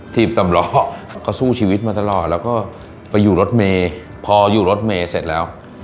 ีบสำล้อก็สู้ชีวิตมาตลอดแล้วก็ไปอยู่รถเมย์พออยู่รถเมย์เสร็จแล้ว